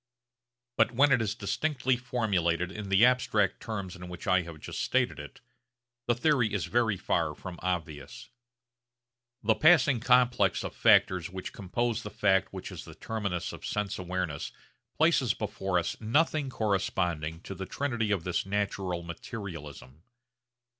But when it is distinctly formulated in the abstract terms in which I have just stated it, the theory is very far from obvious. The passing complex of factors which compose the fact which is the terminus of sense awareness places before us nothing corresponding to the trinity of this natural materialism.